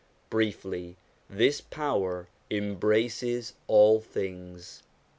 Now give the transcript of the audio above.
Briefly, this power embraces all things.